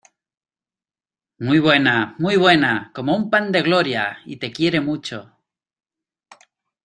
¡Muy buena! ¡Muy buena! ¡Cómo un pan de gloria! y te quiere mucho.